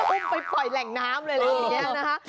อุ้มไปปล่อยแหล่งน้ำเลยแล้วอย่างนี้นะคะ